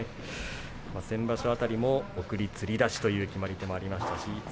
先場所も送りつり出しという決まり手もありました。